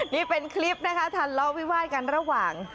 นี่เป็นคลิปนะคะทันทะเลาะวิวาดกันระหว่าง